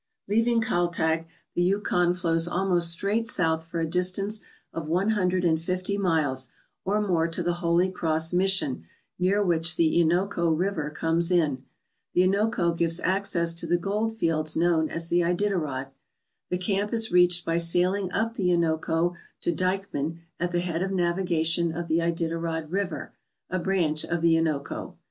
Leaving Kaltag, the Yukon flows almost straight south for a distance of one hundred and fifty miles or more to the Holy Cross Mission, near which the Innoko River comes in. The Innoko gives access to the gold fields known as the Iditarod. The camp is reached by sailing up the Innoko to Dykeman at the head of navigation of the Iditarod River, a branch of the Innoko.